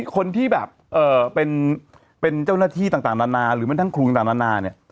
คนที่แบบเป็นเจ้าหน้าที่ต่างนานาหรือมันทั้งครูต่างนานาเนี่ย